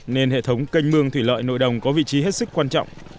nên hệ thống canh mương thủy lợi nội đồng có vị trí hết sức quan trọng